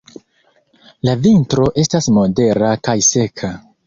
La vintro estas modera kaj seka.